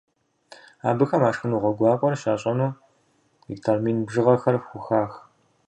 Абыхэм а шхыныгъуэ гуакӏуэр щащӏэну гектар мин бжыгъэхэр хухах.